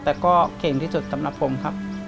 แต่ก็เก่งที่สุดสำหรับผมครับ